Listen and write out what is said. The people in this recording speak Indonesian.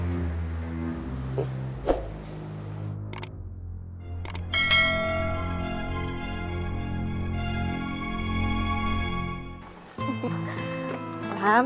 saat saya ke branjo